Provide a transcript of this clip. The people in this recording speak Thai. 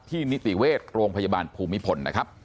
อีกครั้งนะครับที่นิติเวศโรงพยาบาลภูมิผลนะครับ